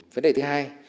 vấn đề thứ hai